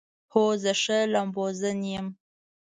هو، زه ښه لامبوزن یم